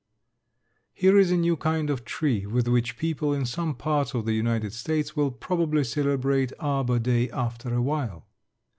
Here is a new kind of tree with which people in some parts of the United States will probably celebrate Arbor Day after a while.